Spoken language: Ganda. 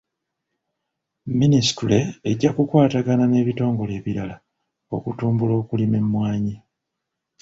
Minisitule ejja kukwatagana n'ebitongole ebirala okutumbula okulima emmwanyi.